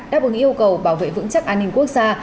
đáp ứng yêu cầu bảo vệ vững chắc an ninh quốc gia